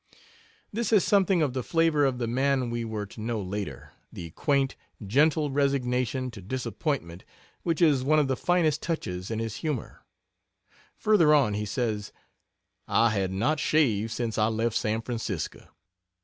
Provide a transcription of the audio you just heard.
This has something of the flavor of the man we were to know later; the quaint, gentle resignation to disappointment which is one of the finest touches in his humor. Further on he says: "I had not shaved since I left San Francisco.